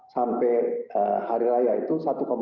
sampai hari raya itu satu tujuh